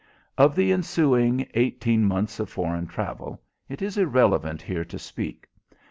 Of the ensuing eighteen months of foreign travel it is irrelevant here to speak.